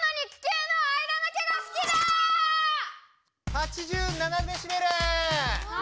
８７デシベル！